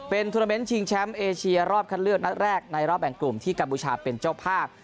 เป็นทวนาเมนต์ชิงแชมป์เอเชียรอบคัดเลือกนัดแรกในรอบแบ่งกลุ่มที่กัมพูชาเป็นเจ้าภาพ